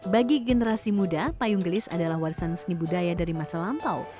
bagi generasi muda payung gelis adalah warisan seni budaya dari masa lampau